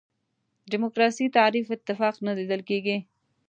دیموکراسي تعریف اتفاق نه لیدل کېږي.